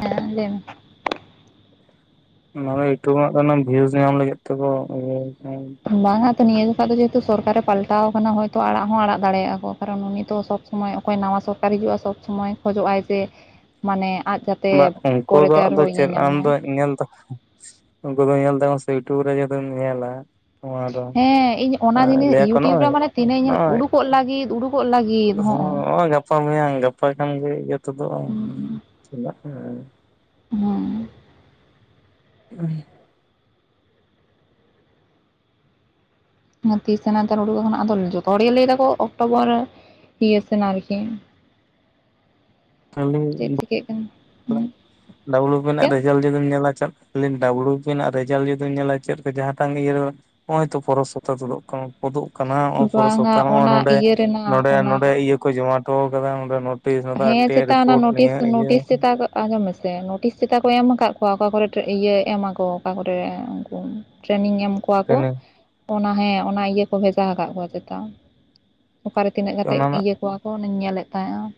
ᱦᱮᱸ ᱞᱟᱹᱭ ᱢᱮ? ᱚᱱᱟ ᱫᱚ ᱤᱭᱩᱴᱩᱵᱽ ᱨᱮᱱᱟᱜ ᱵᱷᱤᱭᱩᱥ ᱧᱟᱢ ᱞᱟᱹᱜᱤᱫ ᱛᱮᱠᱚ ᱤᱭᱟᱹ [inaudible] ᱵᱟᱝᱟ ᱛᱚ ᱱᱤᱭᱟᱹ ᱡᱚᱠᱷᱚᱱ ᱫᱚ ᱡᱮᱦᱮᱛᱩ ᱵᱟᱝ-ᱟ ᱤᱭᱟᱹ ᱡᱚᱠᱷᱚᱡ ᱫᱚ ᱥᱚᱨᱠᱟᱨᱮ ᱯᱟᱞᱴᱟᱣ ᱟᱠᱟᱱᱟ ᱦᱚᱭᱛᱳ ᱟᱲᱟᱜ ᱦᱚᱸ ᱟᱲᱟᱜ ᱫᱟᱲᱮᱭᱟᱜᱼᱟ ᱠᱚ ᱠᱟᱨᱚᱱ ᱩᱱᱤ ᱛᱚ ᱥᱚᱵ ᱥᱚᱢᱟᱭ ᱥᱚᱵᱽ ᱥᱚᱢᱚᱭ ᱚᱠᱚᱭ ᱱᱟᱣᱟ ᱥᱚᱨᱠᱟᱨ ᱦᱤᱡᱩᱜᱼᱟ ᱥᱚᱵᱽ ᱥᱚᱢᱚᱭ ᱠᱷᱚᱡᱚᱜᱼᱟᱭ ᱡᱮ ᱢᱟᱱᱮ ᱟᱫ ᱡᱟ ᱵᱟ ᱩᱱᱠᱩ ᱫᱚ ᱟᱫᱚ ᱪᱮᱫ ᱟᱢ ᱫᱚ ᱧᱮᱞ ᱛᱟᱠᱚᱼᱼ ᱩᱱᱠᱩ ᱫᱚ ᱧᱮᱞ ᱛᱟᱠᱚᱢ‌ ᱥᱮ ᱤᱭᱩᱴᱩᱵ ᱨᱮ ᱡᱮᱦᱮᱛᱩᱢ ᱧᱮᱞᱟ ᱱᱚᱣᱟ ᱫᱚ ᱦᱮᱸ ᱤᱧ ᱚᱱᱟ ᱡᱤᱱᱤᱥ ᱞᱟᱹᱭᱟᱠᱚ ᱤᱭᱩᱴᱤᱭᱩᱵᱽ ᱨᱮ ᱱᱚᱜᱼᱚᱭ ᱢᱟᱱᱮ ᱛᱤᱱᱟᱹᱜ ᱤᱧ ᱧᱮᱞ ᱩᱰᱩᱠᱚᱜ ᱞᱟᱹᱜᱤᱫ ᱩᱰᱩᱠᱚᱜ ᱞᱟᱹᱜᱤᱫ ᱦᱚᱸᱜᱼᱚ ᱦᱚᱜᱼᱚᱭ ᱜᱟᱯᱟ ᱢᱮᱭᱟᱝ ᱜᱟᱯᱟ ᱠᱷᱟᱱ ᱜᱮ ᱡᱷᱚᱛᱚ ᱛᱚᱫᱚᱜ-ᱟ [unintelligible] ᱦᱚᱸ [inaudible] ᱛᱤᱥ ᱥᱮᱱᱟᱜ ᱛᱮ ᱳᱰᱳᱜᱚᱜ ᱠᱟᱱᱟ ᱟᱫᱚ ᱡᱚᱛᱚ ᱦᱚᱲ ᱜᱮ ᱞᱟᱹᱭ ᱫᱟᱠᱚ ᱚᱠᱴᱳᱵᱚᱨ ᱤᱭᱟᱹ ᱥᱮᱱ ᱟᱨᱠᱤ [inaudible] ᱪᱮᱫ ᱪᱤᱠᱟᱹᱜ ᱠᱟᱱᱟ? ᱰᱟᱵᱞᱩ ᱵᱤ ᱯᱤ ᱨᱮᱱᱟᱜ ᱪᱮᱫ ᱨᱮᱡᱟᱞᱴ ᱡᱩᱫᱤᱢ ᱧᱮᱞᱟ ᱪᱮᱫ [unintelligible] ᱰᱟᱵᱞᱩ ᱵᱤ ᱯᱤ ᱨᱮᱱᱟᱜ ᱨᱮᱡᱟᱞ ᱡᱩᱫᱤᱧ ᱧᱮᱞ-ᱟ ᱪᱮᱫ ᱛᱮ ᱡᱟᱦᱟᱸᱴᱟᱝ ᱜᱮ ᱤᱭᱟᱹ ᱨᱮ, ᱱᱚᱜ-ᱚᱭ ᱛᱚ ᱯᱚᱨᱮᱨᱥᱚᱯᱛᱟ ᱛᱳᱫᱳᱜ ᱠᱷᱚᱱ ᱛᱳᱫᱚᱜ ᱠᱟᱱᱟ ᱱᱚᱜ ᱯᱩᱨᱟᱹ ᱵᱟᱝᱟ ᱥᱚᱯᱛᱟ ᱱᱚᱜ-ᱚᱭ ᱚᱱᱟ ᱱᱚᱸᱰᱮ ᱤᱭᱟᱹ ᱨᱮᱱᱟᱜ ᱱᱚᱸᱰᱮ ᱚᱱᱟ ᱱᱚᱸᱰᱮ ᱤᱭᱟᱹ ᱠᱚ ᱡᱚᱢᱟ ᱴᱚ ᱟᱠᱟᱫᱟ ᱚᱸᱰᱮ ᱱᱳᱴᱤᱥ ᱦᱮᱸ [unintelligible] ᱪᱮᱛᱟ ᱚᱱᱟ ᱨᱤᱯᱳᱨᱴ ᱱᱤᱭᱟᱹ ᱱᱳᱴᱤᱥ ᱤᱭᱟᱹ ᱱᱳᱴᱤᱥ ᱪᱮᱛᱟ ᱟᱸᱡᱚᱢ ᱢᱮᱥᱮ ᱱᱳᱴᱤᱥ ᱪᱤᱠᱟ ᱠᱚ ᱮᱢ ᱟᱠᱟᱫ ᱠᱚᱣᱟ ᱚᱠᱟ ᱠᱚᱨᱮ ᱴᱨᱮ ᱤᱭᱟᱹ ᱮᱢ-ᱟᱠᱚ ᱚᱠᱟ ᱠᱚᱨᱮ ᱩᱱᱠᱩ ᱴᱨᱮᱱᱤᱝ ᱮᱢ ᱠᱳ ᱠᱚᱣᱟ ᱠᱳ ᱴᱨᱮᱱᱤᱝ ᱚᱱᱟ ᱦᱮᱸ ᱚᱱᱟ ᱤᱭᱟᱹ ᱠᱚ ᱵᱷᱮᱡᱟ ᱦᱟᱠᱟᱜ ᱠᱚᱣᱟ ᱡᱟᱛᱮ ᱚᱠᱟᱨᱮ ᱛᱤᱱᱟᱹᱜ ᱠᱟᱛᱮ ᱚᱱᱟ ᱤᱭᱟᱹ ᱠᱚᱣᱟ ᱠᱚ ᱚᱱᱟᱧ ᱧᱮᱞᱮᱫ ᱛᱟᱦᱮᱸᱜᱼᱟ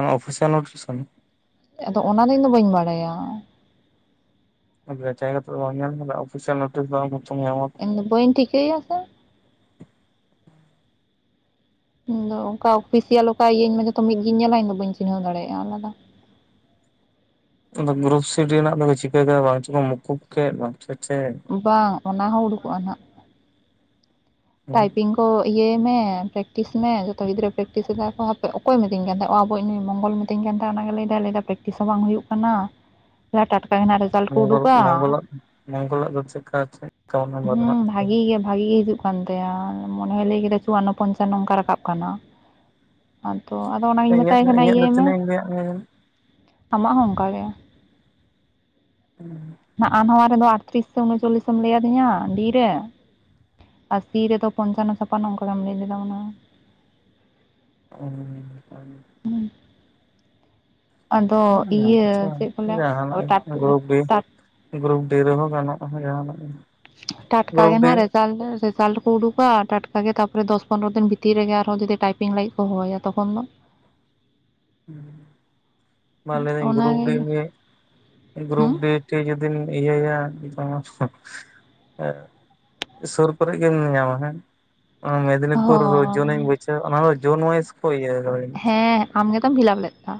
ᱚᱱᱟ ᱚᱯᱷᱤᱥᱤᱣᱟᱞ ᱱᱳᱴᱤᱥ ᱠᱟᱱᱟ? ᱟᱫᱚ ᱚᱱᱟᱫᱚ ᱤᱧᱫᱚ ᱵᱟᱹᱧ ᱵᱟᱲᱟᱭᱟ᱾ ᱡᱟᱪᱟᱭ ᱠᱟᱛᱮᱫ ᱫᱚ ᱵᱟᱢ ᱧᱮᱞ ᱟᱠᱟᱫᱟ ᱚᱯᱷᱤᱥᱤᱭᱟᱞ ᱱᱳᱴᱤᱥ ᱫᱚ ᱟᱢ ᱦᱚᱛᱚᱢ ᱧᱟᱢᱟ᱾ ᱤᱧ ᱫᱚ ᱵᱟᱹᱧ ᱴᱷᱤᱠᱟᱹᱭᱟ ᱥᱮ? ᱤᱧᱫᱚ ᱚᱱᱠᱟ ᱚᱯᱷᱤᱥᱤᱭᱟᱞ ᱚᱠᱟ ᱤᱭᱟᱹ ᱤᱧ ᱢᱟ ᱡᱚᱛᱚ ᱢᱤᱫᱜᱤᱧ ᱧᱮᱞᱟ ᱤᱧ ᱫᱚ ᱵᱟᱹᱧ ᱪᱤᱱᱦᱟᱹᱣ ᱫᱟᱲᱮᱭᱟᱜ-ᱟ ᱚᱱᱟᱫᱚ? ᱚᱱᱟ ᱜᱨᱩᱯ ᱥᱤ-ᱰᱤ ᱨᱮᱱᱟᱜ ᱫᱚᱠᱚ ᱪᱤᱠᱟᱹ ᱠᱮᱫᱟ ᱵᱟᱝ ᱪᱚ ᱠᱚ ᱢᱩᱠᱩᱵ ᱠᱮᱫ ᱵᱟᱝ ᱪᱚ ᱪᱮᱫ? ᱵᱟᱝ ᱚᱱᱟ ᱦᱚᱸ ᱩᱰᱩᱠᱚᱜ-ᱟ ᱱᱟᱦᱟᱜ᱾ ᱴᱟᱭᱯᱤᱝ ᱠᱳ ᱤᱭᱟᱹᱭ ᱢᱮ ᱯᱨᱮᱠᱴᱤᱥ ᱢᱮ ᱡᱷᱚᱛᱚ ᱜᱤᱫᱽᱨᱟᱹ ᱯᱨᱮᱠᱴᱤᱥ ᱮᱫᱟ ᱠᱚ ᱦᱟᱯᱮ ᱚᱠᱚᱭ ᱢᱤᱛᱟᱹᱧ ᱠᱟᱱ ᱛᱟᱦᱮᱸ ᱚ ᱟᱵᱚ ᱤᱡ ᱢᱚᱝᱜᱚᱞ ᱢᱩᱨ ᱢᱤᱛᱟᱹᱧ ᱠᱟᱱ ᱛᱟᱦᱮᱸᱱ ᱚᱱᱟ ᱜᱮ ᱞᱟᱹᱭᱫᱟᱭ ᱞᱟᱹᱭᱫᱟᱭ ᱯᱨᱮᱠᱴᱤᱥ ᱦᱚᱸ ᱵᱟᱝ ᱦᱩᱭᱩᱜ ᱠᱟᱱᱟ ᱴᱟᱴᱠᱟ ᱜᱮ ᱱᱟᱦᱟᱜ ᱨᱮᱡ ᱨᱮᱡᱟᱞ ᱠᱳ ᱢᱚᱝᱜᱚᱞ ᱩᱰᱩᱠ-ᱟ ᱢᱚᱝᱜᱚᱞᱟᱜ ᱢᱚᱝᱜᱚᱞᱟᱜ ᱫᱚ ᱪᱮᱫᱠᱟ ᱪᱮᱫ ᱠᱟᱣᱱᱟ ᱦᱩᱸ ᱵᱟᱱᱩᱜ ᱵᱷᱟᱜᱤ ᱜᱮ ᱵᱷᱟᱜᱤ ᱜᱮ ᱦᱤᱡᱩᱜ ᱠᱟᱱ ᱛᱟᱭᱟ ᱢᱚᱱᱮ ᱞᱟᱹᱭ ᱠᱮᱫᱟ ᱪᱩᱣᱟᱱᱱᱚ, ᱯᱚᱸᱧᱪᱟᱱᱱᱚ ᱚᱝᱠᱟ ᱨᱟᱠᱟᱵ ᱠᱟᱱᱟ᱾ ᱟᱫᱚ ᱟᱫᱚ ᱚᱱᱟᱜᱤᱧ ᱤᱧᱟᱹᱜ ᱢᱮᱛᱟᱭ ᱠᱟᱱᱟ ᱤᱧᱟᱹᱜ ᱫᱚ ᱤᱭᱟᱹᱭ ᱢᱮ, ᱛᱤᱱᱟᱹᱜ ᱤᱧ ᱞᱟᱹᱭᱟᱫ ᱢᱮᱭᱟ ᱟᱢᱟᱜ ᱦᱚᱸ ᱚᱱᱠᱟ ᱜᱮ᱾ [inaudible] ᱱᱟᱜ-ᱟ ᱱᱟᱣᱟ ᱨᱮᱫᱚ ᱟᱴᱛᱨᱤᱥ ᱥᱮ ᱩᱱᱚᱪᱚᱞᱞᱤᱥ ᱮᱢ ᱞᱟᱹᱭ ᱟᱹᱫᱤᱧᱟ ᱰᱤ ᱨᱮ᱾ ᱟᱥᱤ ᱨᱮᱫᱚ ᱯᱚᱸᱧᱪᱟᱱᱱᱚ, ᱪᱷᱟᱯᱟᱱᱱᱚ ᱚᱱᱠᱟᱜᱮᱢ ᱞᱟᱹᱭ ᱞᱮᱫᱟ ᱢᱚᱱᱮ ᱦᱚᱭ᱾ [inaudible] ᱟᱫᱚ [unintelligible] ᱟᱪᱪᱷᱟ ᱤᱭᱟᱹ ᱪᱮᱫ ᱠᱚ ᱞᱟᱹᱭᱟ ᱡᱟᱦᱟᱸᱱᱟᱜ ᱴᱟᱴ ᱜᱮ ᱜᱨᱩᱯ-ᱵᱤ᱾ ᱴᱟᱴ ᱜᱨᱩᱯ ᱰᱤ ᱨᱮᱦᱚᱸ ᱜᱟᱱᱚᱜᱼᱟ ᱡᱟᱦᱟᱸᱱᱟᱜ ᱜᱮ ᱾ ᱴᱟᱴᱠᱟ ᱜᱮ ᱱᱟᱜ ᱨᱮᱡᱟᱞᱴ ᱫᱚ [unintelligible] ᱥᱟᱞ ᱨᱮ ᱠᱚ ᱩᱰᱩᱠ-ᱟ ᱴᱟᱴᱠᱟ ᱜᱮ ᱛᱟᱯᱚᱨᱮ ᱫᱚᱥ, ᱯᱚᱱᱨᱚ ᱫᱤᱱ ᱵᱷᱤᱛᱤᱨ ᱨᱮᱜᱮ ᱟᱨᱦᱚᱸ ᱡᱩᱫᱤ ᱴᱟᱭᱯᱤᱝ ᱞᱟᱹᱜᱤᱫ ᱠᱚ ᱦᱚᱦᱚᱭᱟ ᱛᱚᱠᱷᱚᱱ ᱫᱚ? ᱵᱟᱝ ᱞᱟ. ᱭ ᱫᱟᱹᱧ ᱜᱨᱩᱯ-ᱰᱤ ᱚᱱᱟᱜᱮ ᱱᱤᱭᱮ ᱜᱨᱩᱯ ᱦᱩᱸ ᱰᱤ ᱴᱷᱤᱠ ᱡᱩᱫᱤᱢ ᱤᱭᱟᱹᱭᱟ [unintelligible] ᱮᱸ ᱥᱳᱨ ᱠᱳᱨᱮ ᱜᱮᱢ ᱧᱟᱢᱟ ᱦᱮᱸ᱾ ᱢᱮᱫᱤᱱᱤᱯᱩᱨ‌ ᱨᱳᱡᱚᱱᱤ ᱦᱚᱸ [unintelligible] ᱚᱱᱟᱫᱚ ᱡᱳᱱ ᱳᱣᱟᱤᱥ ᱠᱚ ᱤᱭᱟ. ᱟᱠᱟᱫᱟ ᱡᱟᱹᱱᱤᱡ ᱦᱮᱸ ᱟᱢ ᱜᱮᱛᱚᱢ ᱯᱷᱤᱞᱟᱯ ᱞᱮᱫᱼᱟ᱾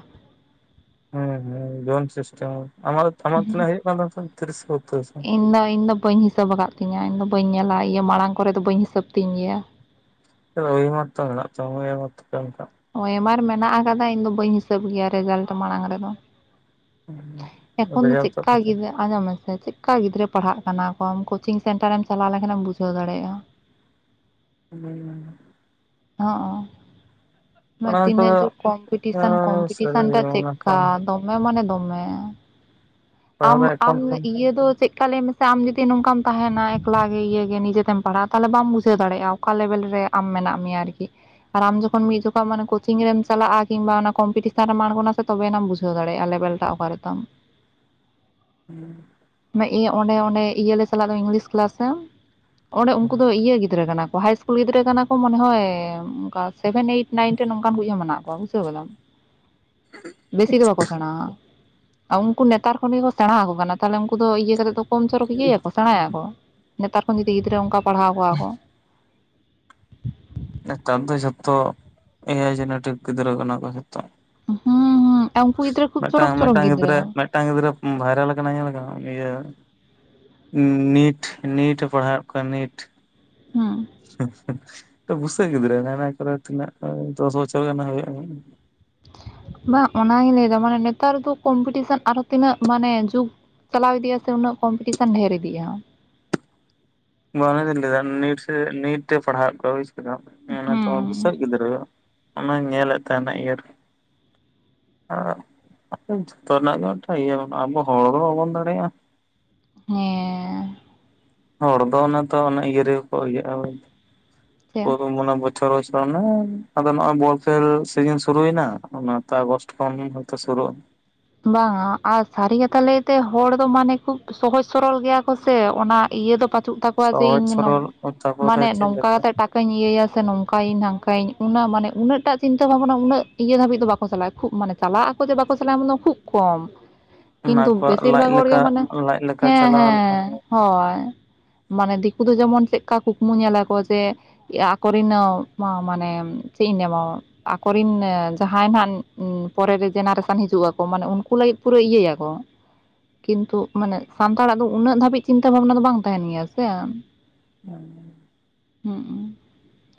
ᱦᱮᱸ ᱦᱮᱸ ᱡᱳᱱ ᱥᱤᱥᱴᱮᱢ ᱟᱢᱟᱜ ᱫᱚ ᱟᱢᱟᱜ ᱛᱤᱱᱟᱹᱜ ᱦᱩᱭᱩᱜ ᱠᱟᱱ ᱛᱟᱢ ᱛᱟᱦᱮᱸᱱ ᱛᱤᱨᱤᱥ ᱥᱮ ᱵᱚᱛᱛᱤᱨᱤ? ᱤᱧ ᱫᱚ ᱤᱧ ᱫᱚ ᱵᱟᱹᱧ ᱦᱤᱥᱟᱹᱵ ᱟᱠᱟᱫ ᱛᱤᱧᱟᱹ ᱤᱧ ᱫᱚ ᱵᱟᱹᱧ ᱧᱮᱞᱟ ᱤᱭᱟᱹ ᱢᱟᱲᱟᱝ ᱠᱚᱨᱮ ᱫᱚ ᱵᱟᱹᱧ ᱦᱤᱥᱟᱹᱵ ᱛᱤᱧ ᱜᱮᱭᱟ? ᱳᱭᱮᱢᱟᱨ ᱛᱚ ᱢᱮᱱᱟᱜ ᱛᱟᱢ ᱜᱮᱭᱟ ᱚᱱᱟ ᱛᱚᱠᱚ ᱮᱢ ᱟᱠᱟᱫ ᱢᱮᱭᱟ? ᱳᱭᱮᱢᱟᱨ ᱢᱮᱱᱟᱜ ᱟᱠᱟᱫᱟ ᱤᱧ ᱫᱚ ᱵᱟᱹᱧ ᱦᱤᱥᱟᱹᱵ ᱜᱮᱭᱟ ᱨᱮᱡᱟᱞᱴ ᱢᱟᱲᱟᱝ ᱨᱮᱫᱚ? ᱮᱠᱷᱚᱱ ᱫᱚ ᱨᱮᱡᱟᱞᱴ ᱛᱮᱫ ᱪᱮᱜᱠᱟ ᱠᱟᱛᱮ ᱠᱮᱫᱟ ᱟᱡᱚᱸᱢ ᱢᱮᱥᱮ ᱪᱮᱫ ᱚᱠᱟ ᱜᱤᱫᱽᱨᱟᱹ ᱯᱟᱲᱦᱟᱜ ᱠᱟᱱᱟ ᱠᱚ ᱠᱚᱪᱤᱝ ᱥᱮᱱᱴᱟᱨᱮᱢ ᱪᱟᱞᱟᱣ ᱞᱮᱠᱷᱟᱱᱮᱢ ᱵᱩᱡᱷᱟᱹᱣ ᱫᱟᱲᱮᱭᱟᱜ-ᱟ᱾ ᱤᱢᱟᱹᱧ ᱢᱮᱱ ᱦᱟᱸᱜ᱾ ᱦᱚᱜ-ᱚ ᱛᱤᱱᱟᱹᱜ ᱚᱱᱟ ᱛᱤᱱᱟᱹᱜ ᱠᱚᱫᱚ ᱡᱮ ᱠᱚᱢᱯᱤᱴᱤᱥᱟᱱ ᱥᱟᱹᱨᱤ ᱠᱚᱢᱯᱤᱴᱤᱥᱟᱱ ᱜᱮ ᱴᱟᱜ ᱚᱱᱟ ᱠᱚ ᱪᱮᱫᱠᱟ ᱫᱚᱢ ᱱᱮ ᱢᱟᱱᱮ ᱫᱚᱢᱮ ᱯᱟᱲᱦᱟᱣ ᱟᱢ ᱫᱚ ᱮᱠᱷᱚᱱ ᱟᱢ ᱠᱷᱚᱱ ᱤᱭᱟᱹ ᱫᱚ ᱪᱮᱫ ᱛᱟᱦᱚᱞᱮ ᱢᱮᱥᱟ ᱟᱢ ᱡᱩᱫᱤ ᱱᱚᱝᱠᱟᱢ ᱛᱟᱦᱮᱱᱟ ᱮᱠᱞᱟᱜᱮ ᱤᱭᱟᱹᱜᱮ ᱱᱤᱡᱮᱛᱮᱢ ᱯᱟᱲᱦᱟᱜᱼᱟ ᱛᱟᱦᱚᱞᱮ ᱵᱟᱢ ᱵᱩᱡᱷᱟᱹᱣ ᱫᱟᱲᱮᱭᱟᱜᱼᱟ ᱾ ᱚᱠᱟ ᱞᱮᱵᱮᱞ ᱨᱮ ᱟᱢ ᱢᱮᱱᱟᱜ ᱢᱮᱭᱟ ᱟᱨᱠᱤ? ᱟᱨ ᱟᱢ ᱡᱚᱠᱷᱚᱱ ᱢᱤᱫ ᱡᱚᱠᱷᱟᱡ ᱢᱟᱱᱮ ᱠᱚᱪᱤᱝ ᱨᱮᱢ ᱪᱟᱞᱟᱜ-ᱟ ᱠᱤᱢᱵᱟ ᱚᱱᱟ ᱠᱚᱢᱯᱤᱴᱤᱥᱟᱱ ᱨᱮᱢ ᱟᱬᱜᱚᱱᱟ ᱥᱮ ᱛᱚᱵᱮᱣᱟᱱᱤᱡ ᱮᱢ ᱵᱩᱡᱷᱟᱹᱣ ᱫᱟᱲᱮᱭᱟᱜ-ᱟ ᱞᱮᱵᱮᱞ᱾ ᱴᱟᱜ ᱚᱠᱟ ᱨᱮ ᱛᱟᱢ? ᱦᱩᱸ᱾ ᱢᱟᱱᱮ ᱤᱭᱟᱹ ᱚᱸᱰᱮ ᱚᱸᱰᱮ ᱤᱭᱟᱹ ᱞᱮ ᱪᱟᱞᱟᱜ ᱫᱚ ᱤᱝᱞᱤᱥ ᱠᱮᱞᱟᱥ ᱥᱮ ᱚᱸᱰᱮ ᱩᱱᱠᱩ ᱫᱚ ᱤᱭᱟᱹ ᱜᱤᱫᱽᱨᱟᱹ ᱠᱟᱱᱟ ᱠᱚ ᱦᱟᱭ ᱤᱥᱠᱩᱞ ᱜᱤᱫᱽᱨᱟᱹ ᱠᱟᱱᱟ ᱠᱚ ᱢᱚᱱᱮ ᱦᱚᱭ ᱚᱱᱠᱟ ᱥᱮᱵᱷᱮᱱ, ᱮᱭᱤᱴ, ᱱᱟᱭᱤᱱ, ᱴᱮᱱ ᱚᱱᱠᱟᱱ ᱠᱚᱜᱮ ᱢᱮᱱᱟᱜ ᱠᱚᱣᱟ ᱵᱩᱷᱟᱹᱣ ᱠᱮᱫᱟᱢ ᱾ ᱵᱮᱥᱤ ᱫᱚ ᱵᱟᱠᱚ ᱥᱮᱬᱟᱣ-ᱟ᱾ ᱟᱸ ᱩᱱᱠᱩ ᱱᱮᱛᱟᱨ ᱠᱷᱚᱱ ᱜᱮᱠᱚ ᱥᱮᱸᱬᱟᱣ ᱟᱠᱚ ᱠᱟᱱᱟ ᱛᱟᱦᱚᱞᱮ ᱩᱱᱠᱩ ᱫᱚ ᱤᱭᱟᱹ ᱠᱟᱛᱮ ᱫᱚ ᱠᱚᱢ ᱪᱚᱨᱚᱠ ᱤᱭᱟᱹᱭᱟᱠᱚ ᱥᱮᱬᱟᱭᱟᱠᱚ ᱱᱮᱛᱟᱨ ᱠᱷᱚᱱ ᱡᱩᱫᱤ ᱜᱤᱫᱽᱨᱟᱹ ᱚᱱᱠᱟ ᱯᱟᱲᱦᱟᱣ ᱠᱚᱣᱟ ᱠᱚ ᱾ ᱱᱮᱛᱟᱨ ᱫᱚ ᱡᱷᱚᱛᱚ, ᱮ-ᱟᱭ ᱡᱮᱱᱮᱴᱤᱠ ᱜᱤᱫᱽᱨᱟᱹ ᱠᱟᱱᱟ ᱠᱚ ᱡᱚᱛᱚ᱾ ᱦᱩᱸ ᱦᱩᱸ ᱟᱨ ᱩᱱᱠᱩ ᱜᱤᱫᱽᱨᱟᱹ ᱠᱷᱩᱵ ᱢᱤᱫᱴᱟᱝ ᱪᱚᱨᱚᱠ ᱪᱚᱨᱚᱠ ᱢᱤᱫᱴᱟᱝ ᱜᱤᱫᱽᱨᱟᱹ ᱾ ᱢᱤᱫᱴᱟᱝ ᱜᱤᱫᱽᱨᱟᱹ ᱵᱷᱟᱭᱨᱟᱞ ᱠᱟᱱᱟ ᱧᱮᱞ ᱠᱮᱫᱟᱢ ᱤᱭᱟᱹ ᱱᱤᱴ ᱱᱤᱴᱮ ᱯᱟᱲᱦᱟᱣᱮᱫ ᱠᱚᱣᱟ ᱱᱤᱴ ᱦᱩᱸ ᱵᱩᱥᱟᱹᱜ ᱜᱤᱫᱽᱨᱟᱹ ᱦᱚᱱᱟ ᱠᱚᱨᱮ ᱛᱤᱱᱟᱹᱜ ᱫᱚᱥ ᱵᱚᱪᱷᱚᱨ ᱜᱟᱱ ᱦᱩᱭᱩᱜᱼᱟ ᱾ ᱵᱟᱝ ᱚᱱᱟᱜᱤᱧ ᱞᱟᱹᱭᱫᱟ ᱢᱟᱱᱮ ᱱᱮᱛᱟᱨ ᱫᱚ ᱠᱚᱢᱯᱤᱴᱤᱥᱮᱱ ᱟᱨᱚᱷ ᱛᱤᱱᱟᱹᱜ ᱢᱟᱱᱮ ᱡᱩᱜᱽ ᱪᱟᱞᱟᱣ ᱤᱫᱤᱜᱼᱟ ᱥᱮ ᱩᱱᱟᱹᱜ ᱠᱚᱢᱯᱤᱴᱤᱥᱟᱱ ᱰᱷᱮᱨ ᱤᱫᱤᱜᱼᱟ᱾ ᱵᱟᱝ ᱚᱱᱟ ᱜᱤᱧ ᱞᱟᱹᱭᱫᱟ ᱱᱮᱴ ᱥᱮ ᱱᱤᱴ ᱛᱮ ᱯᱟᱲᱦᱟᱣᱮᱜ ᱠᱚᱣᱟ ᱦᱳᱭ ᱥᱮ᱾ ᱢᱟᱱᱮ ᱛᱚ ᱦᱩᱸ ᱵᱩᱥᱟᱹᱜ ᱜᱤᱫᱽᱨᱟᱹ ᱦᱩᱭᱩᱜᱼᱟ ᱚᱱᱟᱧ ᱧᱮᱞᱮᱫ ᱛᱟᱦᱮᱱᱟ ᱤᱭᱟᱹ ᱨᱮ ᱡᱚᱛᱚ ᱨᱮᱱᱟᱜ ᱜᱮ ᱢᱤᱫᱴᱟᱝ ᱤᱭᱟᱹ ᱢᱮᱱᱟᱜᱼᱟ ᱟᱵᱚ ᱦᱚᱲ ᱦᱚᱸ ᱵᱟᱵᱚᱱ ᱫᱟᱲᱮᱭᱟᱜᱼᱟ᱾ ᱦᱮᱸ᱾ ᱦᱚᱲ ᱫᱚ ᱚᱱᱮ ᱛᱚ ᱚᱱᱮ ᱤᱭᱟᱹ ᱨᱮᱜᱮ ᱠᱚ ᱤᱭᱟᱹᱜᱼᱟ ᱩᱱᱠᱩ ᱪᱮᱫ ᱫᱚ ᱚᱱᱟ ᱵᱷᱳᱡ᱾ ᱵᱚᱪᱷᱚᱨ ᱟᱫᱚ ᱱᱚᱜᱼᱚᱭ ᱵᱚᱞ ᱠᱷᱮᱞ ᱥᱤᱡᱤᱱ ᱥᱩᱨᱩᱭᱮᱱᱟ ᱚᱱᱟ ᱛᱮ ᱟᱜᱚᱥᱴ ᱠᱷᱚᱱ ᱦᱚᱭᱛᱚ ᱥᱩᱨᱩᱜᱼᱟ᱾ ᱵᱟᱝᱟ ᱟᱨ ᱥᱟᱹᱨᱤ ᱠᱟᱛᱷᱟ ᱞᱟᱹᱭᱛᱮ, ᱦᱚᱲ ᱫᱚ ᱢᱟᱱᱮ ᱠᱚ ᱥᱚᱦᱚᱡ ᱥᱚᱨᱚᱞ ᱜᱮᱭᱟ ᱠᱚ ᱥᱮ, ᱚᱱᱟ ᱤᱭᱟᱹ ᱫᱚ ᱯᱟᱪᱩᱜ᱾ ᱨᱟᱠᱣᱟ ᱡᱮ ᱥᱚᱦᱚᱡ ᱤᱧ ᱥᱚᱨᱚᱞ ᱛᱟᱯᱚᱨᱮ ᱢᱟᱱᱮ ᱪᱮᱫ ᱱᱚᱝᱠᱟ ᱞᱮᱠᱟ ᱠᱟᱛᱮ ᱴᱟᱠᱟ ᱚᱱᱠᱟᱧ ᱤᱭᱟᱹᱭᱟ ᱥᱮ ᱱᱚᱝᱠᱟᱭᱟ. ᱧ ᱱᱷᱟᱝᱠᱟᱭᱟᱹᱧ ᱚᱱᱟ ᱢᱟᱱᱮ ᱩᱱᱟᱹᱜ ᱴᱟᱜ ᱪᱤᱱᱛᱟᱹ ᱵᱷᱟᱵᱽᱱᱟ ᱩᱱᱟᱹᱜ ᱤᱭᱟᱹ ᱫᱷᱟᱹᱵᱤᱡ ᱫᱚ ᱵᱟᱠᱚ ᱪᱟᱞᱟᱜᱼᱟ ᱠᱷᱩᱵ ᱢᱟᱱᱮᱼᱼ ᱪᱟᱞᱟᱜ ᱟᱠᱚ ᱡᱮ ᱵᱟᱠᱚ ᱪᱟᱞᱟᱜᱼᱟ ᱢᱟᱱᱮ ᱠᱷᱩᱵ ᱠᱚᱢ᱾ ᱚᱱᱟ ᱠᱤᱱᱛᱩ ᱟᱠᱚᱣᱟᱜ ᱵᱮᱥᱤᱨ ᱞᱟᱡ ᱵᱷᱟᱜᱽ ᱦᱚᱲ ᱜᱮ ᱞᱮᱠᱟ ᱢᱟᱱᱮ ᱞᱟᱡ ᱞᱮᱠᱟ ᱦᱮᱸ ᱪᱟᱞᱟᱣ ᱞᱮᱠᱷᱟᱱ ᱦᱮᱸ ᱦᱳᱭ᱾ ᱢᱟᱱᱮ ᱫᱤᱠᱩ ᱫᱚ ᱡᱮᱢᱚᱱ ᱪᱮᱫᱠᱟ ᱠᱩᱠᱢᱩ ᱧᱮᱞᱟ ᱠᱚ ᱡᱮ ᱟᱠᱚᱨᱮᱱ ᱢᱟ ᱢᱟᱱᱮ ᱪᱮᱫ ᱤᱧ ᱞᱟᱹᱭ ᱟᱢᱟ ᱾ ᱟᱠᱚᱨᱤᱱ ᱡᱟᱦᱟᱸᱭ ᱦᱟᱸᱜ ᱯᱚᱨᱮ ᱨᱮ ᱡᱮᱱᱟᱨᱮᱥᱚᱱ ᱦᱤᱡᱩᱜ-ᱟ᱾ ᱛᱚ ᱢᱟᱱᱮ ᱩᱱᱠᱩ ᱞᱟᱹᱜᱤᱫ ᱯᱩᱨᱟᱹ ᱤᱭᱟᱹᱭᱟ ᱭᱟᱠᱚ᱾ ᱠᱤᱱᱛᱩ ᱢᱟᱱᱮ ᱥᱟᱱᱛᱟᱲᱟᱜ ᱫᱚ ᱩᱱᱟᱹᱜ ᱫᱷᱟᱹᱵᱤᱡ ᱪᱤᱱᱛᱟᱹ ᱵᱷᱟᱵᱱᱟ ᱫᱚ ᱵᱟᱝ ᱛᱟᱦᱮᱱ ᱜᱮᱭᱟ ᱥᱮ᱾ ᱦᱩᱸ᱾ ᱦᱩᱸ᱾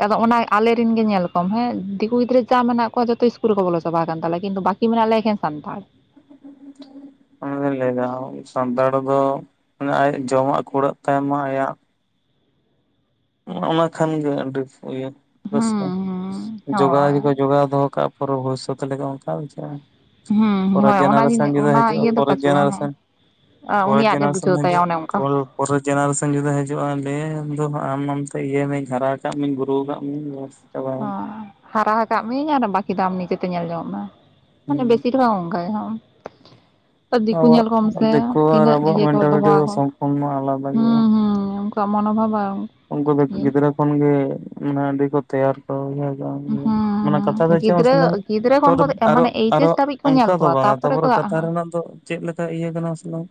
ᱟᱫᱚ ᱚᱱᱟ ᱟᱞᱮᱨᱮᱱ ᱜᱮ ᱧᱮᱞ ᱠᱚᱢ ᱦᱮ ᱫᱤᱠᱩ ᱜᱤᱫᱽᱨᱟᱹ ᱡᱟ ᱢᱮᱱᱟᱜ ᱠᱚᱣᱟ ᱡᱷᱚᱛᱚ ᱤᱥᱠᱩᱞ ᱨᱮᱠᱚ ᱵᱚᱞᱚ ᱪᱟᱵᱟ ᱟᱠᱟᱱ ᱛᱟᱞᱮᱭᱟ ᱠᱤᱱᱛᱩ ᱵᱟᱠᱤ ᱢᱮᱱᱟᱜ ᱠᱮᱭᱟ ᱟᱞᱮ ᱮᱠᱷᱮᱱ ᱥᱟᱱᱛᱟᱲ᱾ [inaudible] ᱚᱱᱮ ᱞᱟᱹᱭᱮᱫ ᱫᱚ ᱥᱟᱱᱛᱟᱲ ᱫᱚ ᱢᱟᱱᱮ ᱟᱭᱟᱜ ᱡᱚᱢᱟᱜ ᱠᱩᱲᱟᱹᱜ ᱛᱟᱭ ᱢᱟ ᱟᱭᱟᱜ᱾ ᱚᱱᱟ ᱠᱷᱟᱱ ᱜᱮ ᱟᱹᱰᱤ ᱤᱭᱟᱹ ᱨᱟᱥᱠᱟᱹ ᱦᱩᱸ ᱦᱩᱸ ᱡᱚᱜᱟᱣ ᱦᱳᱭ ᱜᱮᱠᱚ ᱡᱚᱜᱟᱣ ᱫᱚᱦᱚ ᱠᱟᱜ᱾ ᱯᱩᱨᱟᱹ ᱵᱷᱚᱵᱤᱥᱥᱚᱛ ᱞᱮᱠᱟ ᱚᱱᱠᱟ ᱵᱮᱯᱟᱨ ᱾ ᱦᱩᱸ ᱯᱚᱨᱮᱨ ᱦᱳᱭ ᱚᱱᱟ ᱡᱮᱱᱟᱨᱮᱥᱚᱱ ᱡᱤᱱᱤ ᱡᱩᱫᱤ ᱚᱱᱟ ᱦᱤᱡᱩᱜᱼᱟ ᱤᱭᱟᱹ ᱫᱚ ᱯᱚᱨᱮᱨ ᱵᱟᱹᱪᱩᱜᱼᱟ ᱦᱮᱸ ᱡᱮᱱᱟᱨᱮᱥᱚᱱ᱾ ᱯᱚᱨᱮᱨ ᱩᱱᱤᱭᱟᱜ ᱜᱮ ᱡᱮᱱᱟᱨᱮᱥᱚᱱ ᱵᱩᱡᱷᱟᱹᱣ ᱛᱟᱭᱟ ᱦᱤᱡᱩᱜ ᱚᱱᱮ ᱚᱱᱠᱟ ᱯᱚᱨᱮᱨ ᱡᱮᱱᱟᱨᱮᱥᱚᱱ ᱡᱩᱫᱤ ᱦᱤᱡᱩᱜᱼᱟ ᱞᱟᱹᱭᱟᱭ ᱩᱱᱫᱚ ᱦᱟᱜ ᱟᱢ ᱟᱢ ᱛᱮ ᱤᱭᱟᱹᱭ ᱢᱮᱧ ᱦᱟᱨᱟ ᱠᱟᱜ ᱢᱤᱧ ᱵᱩᱨᱩ ᱟᱠᱟᱫ ᱢᱤᱧ᱾ ᱪᱟᱵᱟᱭᱮᱱ ᱦᱮᱸ ᱦᱟᱨᱟ ᱟᱠᱟᱜ ᱢᱤᱭᱟᱹᱧ ᱟᱨ ᱵᱟᱠᱤ ᱫᱚ ᱟᱢ ᱱᱤᱡᱮᱛᱮ ᱧᱮᱞ ᱡᱚᱝ ᱢᱮ ᱢᱟᱱᱮ ᱵᱮᱥᱤ ᱚᱝᱠᱟ ᱜᱮ ᱦᱩᱸ᱾ ᱫᱤᱠᱩ ᱟᱵᱚᱣᱟᱜ ᱧᱮᱞ ᱠᱚᱢ ᱥᱮ ᱫᱤᱠᱩ ᱟᱨ ᱛᱤᱱᱟᱹᱜ ᱟᱵᱚᱣᱟᱜ ᱤᱭᱟᱹ ᱠᱚ ᱫᱚᱦᱚ ᱢᱮᱱᱴᱟᱞᱤᱴᱤ ᱫᱚ ᱟᱠᱚ ᱥᱚᱢᱯᱩᱨᱱᱚ ᱟᱞᱟᱫᱟ ᱜᱮᱭᱟ ᱦᱩᱸ ᱦᱩᱸ᱾ ᱫᱚ ᱢᱚᱱᱚᱵᱷᱟᱵᱟᱣ᱾ ᱩᱱᱠᱩ ᱫᱚ ᱜᱤᱫᱽᱨᱟᱹ ᱠᱷᱚᱱᱜᱮ ᱢᱟᱱᱮ ᱟᱹᱰᱤ ᱠᱚ ᱛᱮᱭᱟᱨ ᱠᱚ ᱦᱩᱭᱩᱜ-ᱟ ᱦᱩᱸ ᱢᱟᱱᱮ ᱠᱟᱛᱷᱟ ᱫᱚ ᱦᱩᱸ ᱪᱮᱫ ᱢᱟᱥᱮ ᱞᱟᱹᱭ ᱜᱤᱫᱽᱨᱟᱹ ᱢᱮ ᱜᱤᱫᱽᱨᱟᱹ ᱛᱚ ᱠᱷᱚᱱ ᱠᱚ ᱟᱨᱚ ᱢᱟᱱᱮ ᱮᱭᱤᱪ ᱟᱨᱚ ᱮᱥ ᱫᱷᱟᱹᱵᱤᱡ ᱠᱚ ᱧᱮᱞ ᱚᱱᱠᱟ ᱫᱚ ᱠᱚᱣᱟ ᱵᱟᱝᱟ ᱠᱚ ᱛᱟᱯᱚᱨᱮ ᱠᱟᱛᱷᱟ ᱨᱮᱱᱟᱜ ᱫᱚ ᱪᱮᱫ ᱞᱮᱠᱟ ᱤᱭᱟᱹ ᱠᱟᱱᱟ ᱥᱮ ᱵᱟᱝ᱾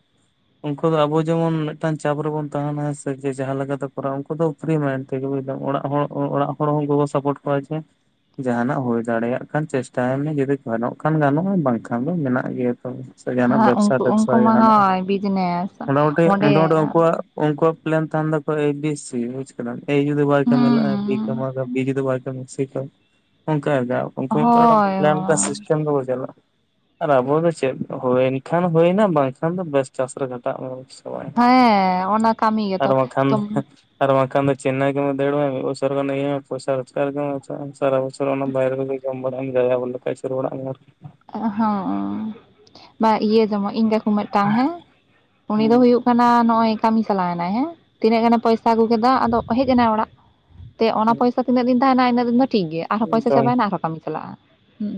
ᱩᱱᱠᱩ ᱫᱚ ᱟᱵᱚ ᱡᱮᱢᱚᱱ ᱢᱤᱫᱴᱟᱝ ᱪᱟᱯ ᱨᱮᱵᱚᱱ ᱛᱟᱦᱮᱱᱟ ᱦᱮᱸ ᱥᱮ ᱡᱟᱦᱟᱸ ᱞᱮᱠᱟ ᱫᱚ ᱩᱱᱠᱩ ᱫᱚ ᱯᱨᱤ ᱢᱟᱭᱤᱱᱰ ᱛᱮᱜᱮ ᱚᱲᱟᱜ ᱦᱚᱲ ᱚᱲᱟᱜ ᱦᱚᱲ ᱦᱚᱸ ᱥᱟᱯᱨᱴ ᱠᱚᱣᱟ ᱡᱮ ᱡᱟᱦᱱᱟᱜ ᱦᱩᱭ ᱫᱟᱲᱮᱭᱟᱜ ᱠᱟᱱ ᱪᱮᱥᱴᱟᱭ ᱢᱮ ᱡᱩᱫᱤ ᱜᱟᱱᱚᱜ ᱠᱷᱟᱱ ᱜᱟᱱᱚᱜᱼᱟ ᱵᱟᱝᱠᱷᱟᱱ ᱫᱚ ᱢᱮᱱᱟᱜ ᱜᱮᱭᱟ ᱛᱚ ᱥᱮ ᱡᱟᱦᱟᱱᱟᱜ ᱦᱮᱸ ᱵᱮᱵᱽᱥᱟ ᱩᱱᱠᱩ ᱴᱮᱵᱽᱥᱟ ᱩᱱᱠᱩ ᱢᱟ ᱡᱟᱦᱟᱱᱟᱜ ᱜᱮ ᱦᱳᱭ ᱵᱤᱡᱽᱱᱮᱥ ᱢᱳᱴᱟᱢᱩᱴᱤ ᱚᱸᱰᱮ ᱢᱴᱟᱢᱩᱴᱤ ᱩᱱᱠᱩᱣᱟᱜ᱾ ᱩᱱᱠᱩᱣᱟᱜ ᱯᱞᱮᱱ ᱛᱟᱦᱮᱱ ᱛᱟᱠᱚᱣᱟ ᱮ ᱵᱤ ᱥᱤ᱾ ᱮᱭ ᱡᱩᱫᱤ ᱵᱟᱭ ᱠᱟᱢᱤ ᱞᱟᱜ-ᱟ ᱵᱤ ᱠᱚ ᱦᱩᱸ ᱮᱢᱟ ᱫᱟ ᱵᱤ ᱡᱩᱫᱤ ᱵᱟᱭ ᱠᱟᱢᱤ ᱥᱤ ᱮᱢᱟ ᱫᱟ ᱚᱱᱠᱟ ᱟᱨᱠᱤ᱾ ᱩᱱᱠᱩ ᱦᱳᱭ [inaudible] ᱠᱷᱮᱱ ᱫᱚᱵᱚ ᱪᱟᱞᱟᱜᱼᱟ ᱟᱨ ᱟᱵᱚ ᱫᱚ ᱪᱮᱫ ᱦᱩᱭᱮᱱ ᱠᱷᱟᱱ ᱦᱩᱭᱱᱟ ᱵᱟᱝᱠᱷᱟᱱ ᱫᱚ ᱵᱮᱥ ᱪᱟᱥ ᱨᱮ᱾ ᱟᱜ [unintelligible] ᱦᱮᱸ ᱚᱱᱟ ᱠᱟᱹᱢᱤ ᱟᱨ ᱜᱮᱛᱚ ᱵᱟᱝᱠᱷᱟᱱ᱾ ᱛᱚᱢ ᱟᱨ ᱵᱟᱝᱠᱷᱟᱱ ᱫᱚ ᱪᱮᱱᱱᱟᱭ ᱠᱟᱢᱤ ᱫᱟᱹᱲ ᱢᱤᱫ ᱵᱚᱥᱚᱨ ᱜᱟᱱ ᱤᱭᱟᱹᱭ ᱢᱮ ᱯᱚᱭᱥᱟ ᱨᱳᱡᱽᱟᱨ ᱟᱜᱩᱭ ᱢᱮ᱾ ᱥᱟᱨᱟ ᱵᱚᱥᱚᱨ ᱚᱱᱟ ᱵᱟᱭᱨᱮ ᱨᱮᱜᱮ ᱡᱚᱢ ᱢᱮ ᱡᱟᱡᱟᱵᱚᱨ ᱞᱮᱠᱟ ᱟᱪᱩᱨ ᱵᱟᱲᱟᱭ ᱢᱮ ᱟᱨᱠᱤ ᱦᱚᱸ ᱵᱟ ᱤᱭᱟᱹ ᱡᱮᱢᱚᱱ ᱤᱧ ᱠᱟᱠᱩ ᱢᱤᱫᱴᱟᱝ ᱦᱮᱸ ᱩᱱᱤ ᱫᱚ ᱦᱩᱭᱩᱜ ᱠᱟᱱᱟ ᱱᱚᱜᱼᱚᱭ ᱠᱟᱹᱢᱤ ᱪᱟᱞᱟᱣ ᱮᱱᱟᱭ ᱦᱮᱸ ᱛᱤᱱᱟᱹᱜ ᱜᱟᱱᱮ ᱯᱚᱭᱥᱟ ᱟᱹᱜᱩ ᱠᱮᱫᱟ ᱟᱫᱚ ᱦᱮᱡ ᱮᱱᱟᱭ ᱚᱲᱟᱜ᱾ ᱛᱮ ᱚᱱᱟ ᱯᱚᱭᱥᱟ ᱛᱤᱱᱟᱹᱜ ᱫᱤᱱ ᱛᱟᱦᱮᱱᱟ ᱤᱱᱟᱹᱜ ᱫᱤᱱ ᱫᱚ ᱴᱷᱤᱠ ᱜᱮᱭᱟ ᱟᱨᱦᱚᱸ ᱯᱚᱭᱥᱟ ᱡᱚᱢ ᱪᱟᱵᱟᱭᱮᱱᱟ ᱟᱨᱦᱚᱸ ᱠᱟᱹᱢᱤ ᱪᱟᱞᱟᱜᱼᱟ ᱦᱩᱸ᱾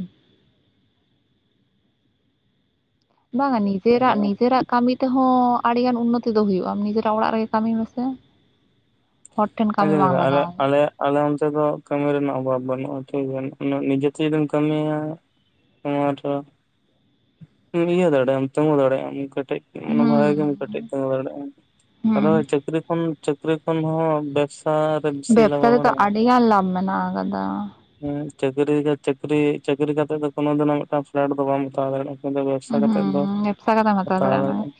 ᱵᱟᱝ-ᱟ ᱱᱤᱡᱮᱨᱟᱜ ᱱᱤᱡᱮᱨᱟᱜ᱾ ᱠᱟᱹᱢᱤ ᱛᱮᱦᱚᱸ ᱟᱹᱰᱤ ᱜᱟᱱ ᱩᱱᱱᱚᱛᱤ ᱫᱚ ᱦᱩᱭᱩᱜᱼᱟ ᱱᱤᱡᱮᱨᱟᱜ ᱚᱲᱟᱜ ᱨᱮᱜᱮ ᱠᱟᱹᱢᱤ ᱢᱮᱥᱮ᱾ ᱦᱚᱲ ᱴᱷᱮᱱ ᱠᱟᱹᱢᱤ ᱵᱟᱝ ᱞᱟᱜᱟᱣ‌ ᱟᱞᱮ ᱟᱢᱟ᱾ ᱟᱞᱮ ᱟᱞᱮ ᱚᱱᱛᱮ ᱫᱚ ᱠᱟᱹᱢᱤ ᱨᱮᱱᱟᱜ ᱚᱵᱷᱟᱵᱽ ᱵᱟᱹᱱᱩᱜᱼᱟ ᱴᱷᱤᱠ ᱜᱮᱭᱟ ᱱᱤᱡᱮᱛᱮ ᱡᱩᱫᱤᱢ ᱠᱟᱹᱢᱤᱭᱟ᱾ ᱱᱚᱣᱟ ᱫᱚ ᱤᱭᱟᱹ ᱫᱟᱲᱮᱭᱟᱜ ᱟᱢ ᱛᱮᱜᱳ ᱫᱟᱲᱮᱭᱟᱜ ᱟᱢ᱾ ᱢᱟᱱᱮ ᱵᱷᱟᱜᱮ ᱜᱮᱢ ᱠᱮᱴᱮᱡ ᱦᱩᱸ ᱛᱮᱜᱳ ᱦᱩᱸ᱾ ᱫᱟᱲᱮᱭᱟᱜᱼᱟ [inaudible] ᱪᱟᱹᱠᱨᱤ ᱠᱷᱚᱱ᱾ ᱪᱟᱹᱠᱨᱤ ᱠᱷᱚᱱ ᱦᱚᱸ ᱵᱮᱵᱽᱥᱟ᱾ ᱨᱮ ᱵᱮᱥᱤ ᱵᱮᱵᱥᱟ ᱞᱟᱜᱟᱣ ᱨᱮᱛᱚ ᱵᱟᱲᱟᱭᱟ ᱟᱹᱰᱤ ᱜᱟᱱ ᱞᱟᱵᱷ ᱢᱮᱱᱟᱜ ᱟᱠᱟᱫᱟ᱾ ᱦᱮᱸ ᱪᱟᱹᱠᱨᱤ ᱪᱟᱹᱠᱨᱤ ᱪᱟᱹᱠᱨᱤ ᱠᱟᱛᱮᱜ ᱫᱚ ᱠᱳᱱᱳ ᱫᱤᱱ ᱢᱤᱫᱴᱟᱝ ᱯᱷᱞᱮᱴ ᱫᱚ ᱵᱟᱢ ᱦᱟᱛᱟᱣ ᱫᱟᱲᱮᱭᱟᱜᱼᱟ᱾ ᱟᱫᱚ ᱵᱮᱵᱥᱟ ᱠᱟᱛᱮᱫ ᱫᱚ ᱦᱩᱸ ᱵᱮᱵᱽᱥᱟ ᱠᱟᱛᱮᱢ ᱦᱟᱛᱟᱣ ᱫᱟᱲᱮᱭᱟᱜᱼᱟ᱾ ᱫᱟᱲᱮᱼᱟᱢ᱾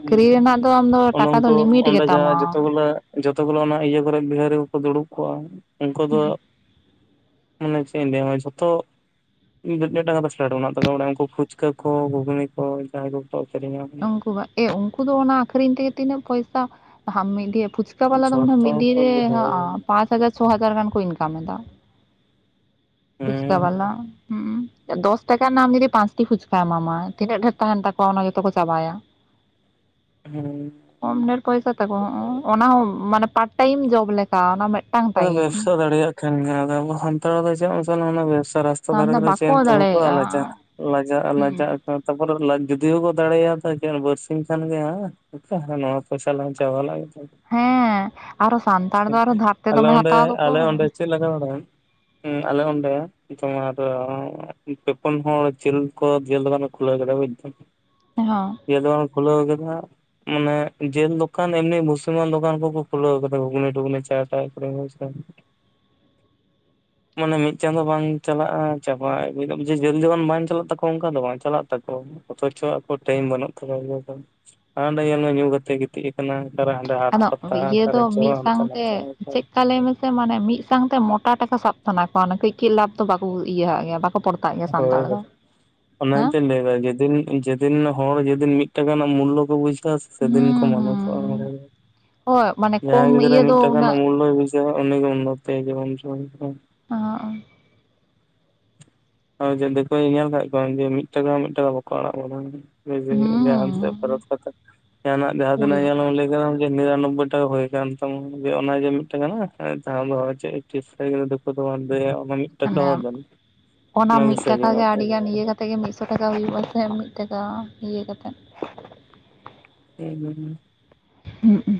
ᱦᱩ ᱨᱮᱱᱟᱜ ᱫᱚ ᱟᱢ ᱫᱚ ᱴᱟᱠᱟ ᱫᱚ ᱳᱱᱳ-ᱳᱝᱠᱳ ᱠᱳ ᱞᱤᱢᱤᱴ ᱚᱸᱰᱮ ᱜᱮᱛᱟᱢᱟ᱾ ᱡᱟᱦᱟᱸ ᱡᱚᱛᱚ ᱜᱩᱞᱳ ᱡᱚᱛᱚ ᱜᱩᱞᱳ ᱚᱱᱟ ᱤᱭᱟᱹ ᱠᱚᱨᱮ ᱵᱤᱦᱟᱹᱨᱤ ᱠᱚ ᱠᱚ ᱫᱩᱲᱩᱵ ᱠᱚᱜᱼᱟ ᱩᱝᱠᱳ ᱫᱚ ᱦᱩᱸ ᱢᱟᱱᱮ ᱪᱮᱜ ᱤᱧ ᱞᱟᱹᱭᱟ ᱡᱷᱚᱛᱚ [unintelligible] ᱠᱟᱛᱮᱫ [unintelligible] ᱢᱮᱱᱟᱜ ᱛᱟᱠᱚᱣᱟ ᱢᱟᱱᱮ ᱩᱱᱠᱩ ᱯᱷᱩᱪᱠᱟᱹ ᱠᱚ ᱜᱷᱩᱜᱱᱤ ᱠᱚ ᱡᱟᱦᱟᱸᱭ ᱫᱚ ᱠᱚ ᱟᱠᱷᱤᱧᱟ᱾ ᱩᱝᱠᱩ ᱵᱟ ᱮ ᱩᱝᱠᱩ ᱫᱚ ᱚᱱᱟ ᱟᱠᱷᱨᱤᱧ ᱛᱮᱜᱮ ᱛᱤᱱᱟᱹᱜ ᱯᱚᱭᱥᱟ ᱢᱤᱫ ᱫᱤᱭᱮ ᱯᱷᱩᱪᱼᱼ ᱯᱷᱩᱪᱠᱟᱹ ᱵᱟᱞᱟ ᱫᱚ ᱢᱚᱱᱮ ᱦᱚᱭ ᱡᱷᱚᱛᱚ ᱢᱤᱫ ᱫᱤᱱ ᱠᱚ ᱨᱮ ᱵᱤᱦᱟᱨᱤ ᱦᱚᱸᱜ-ᱚ ᱯᱟᱸᱪ ᱦᱟᱡᱟᱨ ᱪᱷᱚ ᱦᱟᱡᱟᱨ ᱜᱟᱱ ᱠᱚ ᱤᱱᱠᱟᱢ ᱮᱫᱟ᱾ ᱯᱷᱩᱪᱠᱟ ᱦᱮᱸ ᱵᱟᱞᱟ ᱦᱩᱸ [inaudible] ᱫᱚᱥ ᱴᱟᱠᱟ ᱨᱮᱱᱟᱜ ᱟᱢ ᱡᱩᱫᱤ ᱯᱟᱸᱪᱴᱤ ᱯᱷᱩᱪᱠᱟ ᱮᱢᱟ ᱢᱟᱭ ᱛᱤᱱᱟᱹᱜ ᱰᱷᱮᱨ ᱛᱟᱦᱮᱱ ᱛᱟᱠᱚᱣᱟ ᱚᱱᱟ ᱡᱚᱛᱚ ᱠᱚ ᱪᱟᱵᱟᱭᱟ᱾ ᱦᱩᱸ ᱠᱚᱢ ᱰᱷᱹᱮᱨ ᱯᱚᱭᱥᱟ ᱛᱟᱠᱚ ᱚᱱᱟ ᱦᱚᱸ ᱢᱟᱱᱮ ᱯᱟᱨᱴ ᱴᱟᱭᱤᱢ ᱡᱚᱵ ᱞᱮᱠᱟ ᱚᱱᱟ ᱢᱮᱫᱼᱼ ᱟᱫᱚ ᱵᱮᱵᱽᱥᱟ ᱫᱟᱲᱮᱭᱟᱜ ᱠᱷᱟᱱ ᱜᱮ ᱟᱫᱚ ᱟᱵᱚ ᱥᱟᱱᱛᱟᱲ ᱫᱚ ᱪᱮᱫ ᱢᱟᱥᱮ ᱱᱚᱜ ᱱᱚᱣᱟ ᱵᱮᱵᱽᱥᱟ ᱨᱟᱥ ᱛᱟ ᱟᱢ ᱫᱷᱟᱨᱮ ᱫᱚ ᱠᱚ ᱨᱮ ᱪᱮᱫ ᱵᱟᱠᱚ ᱮᱢ ᱛᱤᱸᱜᱩ ᱠᱚᱜ-ᱟ ᱫᱟᱲᱮᱭᱟᱜᱼᱟ ᱞᱟᱡᱟ ᱞᱟᱡᱟᱜᱼᱟ ᱦᱩᱸ ᱞᱟᱡᱟᱜ ᱟᱠᱚ ᱛᱟᱯᱚᱨᱮ ᱞᱟᱡ ᱡᱩᱫᱤ ᱚ-ᱠᱚ ᱫᱟᱲᱮᱭᱟ ᱛᱟ ᱠᱤ ᱟᱨ ᱵᱟᱨᱥᱤᱧ ᱠᱷᱟᱱ ᱜᱮ ᱟᱯᱮ ᱱᱚᱣᱟ ᱯᱚᱭᱥᱟ ᱞᱟᱝ ᱪᱟᱵᱟ ᱞᱮᱜᱮ᱾ ᱦᱮᱸ ᱟᱨᱚ ᱥᱟᱱᱛᱟᱲ ᱫᱚ ᱟᱨᱚ ᱫᱷᱟᱼᱼᱼ ᱟᱞᱮ ᱚᱰᱮᱸ ᱟᱞᱮ ᱚᱰᱮᱸ ᱪᱮᱫᱞᱠᱟ ᱵᱟᱲᱟᱭᱟᱢ ᱩᱸ ᱟᱞᱮ ᱚᱰᱮᱸ ᱛᱚᱢᱟᱨ ᱯᱮᱯᱩᱱ ᱦᱚᱲ ᱡᱤᱞ ᱠᱚ ᱡᱮᱞ ᱫᱚᱠᱟᱱ ᱠᱚ ᱠᱷᱩᱞᱟᱹᱣ ᱠᱟᱫᱟ ᱵᱩᱡᱽᱫᱟᱢ᱾ ᱮ ᱦᱚᱸ ᱫᱤᱭᱟᱹ ᱟᱫᱚ ᱠᱷᱩᱞᱟᱹᱣ ᱠᱟᱫᱟ ᱢᱟᱱᱮ ᱡᱮᱞ ᱫᱚᱠᱟᱱ ᱮᱢᱱᱤ ᱵᱷᱩᱥᱤᱢᱟᱞ ᱫᱚᱠᱟᱱ ᱠᱚ ᱠᱚ ᱠᱷᱩᱞᱟᱹᱣ ᱠᱟᱫᱟ ᱜᱷᱩᱜᱱᱤ ᱴᱩᱜᱽᱱᱤ ᱪᱟ [unintelligible] ᱢᱟᱱᱮ ᱢᱤᱫ ᱪᱟᱸᱫᱚ ᱵᱟᱝ ᱪᱟᱞᱟᱜᱼᱟ ᱪᱟᱵᱟᱭ ᱟᱜᱩᱭ ᱫᱟ ᱡᱮᱞ ᱡᱚᱠᱷᱚᱱ ᱵᱟᱝ ᱪᱟᱞᱟᱜ ᱛᱟᱠᱚᱣᱟ ᱚᱝᱠᱟ ᱫᱚ ᱵᱟᱝ ᱪᱟᱞᱟᱜ ᱛᱟᱠᱚᱣᱟ᱾ ᱚᱛᱷᱚᱪᱚ ᱟᱠᱚ ᱴᱟᱭᱤᱢ ᱵᱟᱹᱱᱩᱜ ᱛᱟᱠᱚᱣᱭᱟ ᱵᱩᱡᱷᱟᱹᱣ ᱠᱮᱜ-ᱟᱢ᱾ ᱟᱸᱰᱮ ᱧᱮᱞ ᱢᱮ ᱧᱩ ᱠᱟᱛᱮᱜ ᱮ ᱜᱤᱛᱤᱡ ᱠᱟᱱᱟ ᱟᱠᱟᱨᱮ ᱦᱟᱸᱰᱮ ᱦᱟᱴ ᱯᱟᱛᱟ ᱚᱠᱟᱨᱮᱪᱚ ᱦᱟᱱᱛᱮ ᱱᱟᱛᱮ᱾ ᱪᱮᱜ ᱠᱟ ᱞᱟᱹᱭ ᱢᱮᱥᱮ ᱢᱟᱱᱮ ᱢᱤᱫ ᱥᱟᱝᱛᱮ ᱢᱚᱴᱟ ᱴᱟᱠᱟ ᱥᱟᱵ ᱥᱟᱱᱟ ᱠᱚᱣᱟ ᱚᱱᱟ ᱠᱟᱹᱡ ᱠᱟᱹᱡ ᱞᱟᱵᱷ ᱫᱚ ᱵᱟᱠᱚ ᱤᱭᱟᱹᱦᱟᱜ ᱜᱮᱭᱟ, ᱵᱟᱠᱚ ᱯᱚᱲ ᱦᱳᱭ ᱦᱳᱭ᱾ ᱚᱱᱟᱜᱤᱛᱚᱧ ᱞᱟᱹᱭᱫᱟ ᱡᱮᱫᱤᱱ ᱡᱮᱫ ᱫᱤᱱ ᱦᱚᱲ ᱡᱮᱫᱤᱱ ᱢᱤᱫ ᱴᱟᱠᱟ ᱨᱮᱱᱟᱜ ᱢᱩᱞᱞᱚ ᱠᱚ ᱵᱩᱡᱷᱟᱹᱣᱟ ᱥᱮᱫᱤᱱ ᱠᱚ ᱦᱩᱸ ᱢᱟᱱᱩᱥᱟᱜ-ᱟ᱾ ᱦᱩᱸ [unintelligible] ᱦᱳᱭ᱾ ᱢᱟᱱᱮ ᱠᱚᱢ ᱡᱟᱦᱟᱸᱭ ᱜᱤᱫᱽᱨᱟᱹ ᱤᱭᱟᱹ ᱢᱤᱫ ᱫᱚ ᱴᱟᱠᱟ ᱩᱱᱟᱹᱜ ᱨᱮᱱᱟᱜ ᱢᱩᱞᱞᱚᱭ ᱵᱩᱡᱷᱟᱹᱣᱟ ᱩᱱᱤᱜᱮ ᱩᱱᱱᱚᱛᱤᱭᱟ ᱡᱤᱵᱚᱱ [unintelligible] ᱚ ᱚᱸ᱾ ᱟᱣ ᱡᱮ ᱫᱤᱠᱩ ᱧᱮᱞ ᱠᱟᱜ ᱠᱚᱣᱟᱮ ᱡᱮ ᱢᱤᱫ ᱴᱟᱠᱟ ᱦᱚᱸ ᱢᱤᱫ ᱴᱟᱠᱟ ᱵᱟᱠᱚ ᱟᱲᱟᱜ ᱵᱟᱲᱟᱮᱟᱢᱟ᱾ ᱡᱮ ᱡᱮ ᱦᱩᱸ ᱡᱟᱦᱟᱱ ᱥᱮᱫ ᱯᱚᱨᱚᱵᱽ ᱯᱟᱛᱟ ᱡᱟᱦᱟᱱᱟᱜ ᱡᱟᱦᱟᱸ ᱛᱤᱱᱟᱹᱜ ᱢᱟᱱᱮ ᱧᱮᱞᱮᱢ ᱞᱟᱹᱭ ᱠᱟᱫᱟᱢ ᱡᱮ ᱱᱤᱨᱟᱱᱚᱵᱵᱳᱭ ᱴᱟᱠᱟ ᱦᱩᱭ ᱠᱟᱱ ᱛᱟᱢᱟ ᱡᱮ ᱚᱱᱟ ᱡᱮ ᱢᱤᱫ ᱴᱟᱠᱟ ᱢᱮᱱᱟᱜ-ᱟ᱾ [unintelligible] ᱪᱤᱯᱥᱟᱭ [unintelligible] ᱫᱤᱠᱩ ᱫᱚ ᱵᱟᱝ ᱫᱮ ᱚᱵᱟ ᱢᱤᱫ ᱴᱟᱠᱟ ᱦᱚᱸ ᱚᱱᱟ ᱫᱮᱱ᱾ ᱚᱱᱟ ᱢᱤᱫ ᱴᱟᱠᱟ ᱜᱮ ᱟᱹᱰᱤᱜᱟᱱ ᱤᱭᱟᱹ ᱠᱟᱛ ᱛᱮᱜᱮ ᱢᱤᱫᱥᱚ ᱴᱟᱠᱟ ᱦᱩᱭᱩᱜᱼᱟᱥᱮ ᱢᱤᱫ ᱴᱟᱠᱟ ᱤᱭᱟᱹ ᱠᱟᱛᱮᱫ᱾ [unintelligible] ᱦᱩᱸᱜ ᱩᱸ᱾